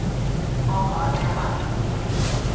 我改名嘞